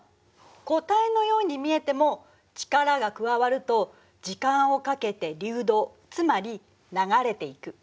固体のように見えても力が加わると時間をかけて流動つまり流れていく。